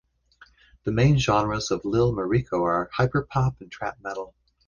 The main genres of "Lil Mariko" are hyperpop and trap metal.